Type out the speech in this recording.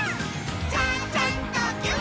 「ちゃちゃんとぎゅっ」